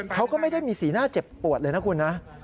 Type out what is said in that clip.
เขาก็ไม่ได้มีสีหน้าเจ็บปวดเลยนะคุณนะ